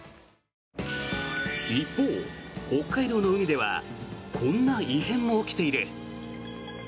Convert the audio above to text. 一方、北海道の海ではこんな異変も起きている。